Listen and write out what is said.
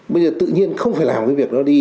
bây giờ tự nhiên không phải làm cái việc đó đi